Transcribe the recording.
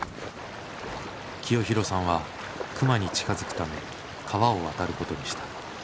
清弘さんは熊に近づくため川を渡ることにした。